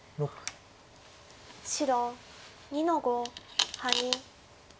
白２の五ハイ。